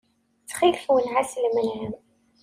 Ttxil-k wenneɛ-as lemnam.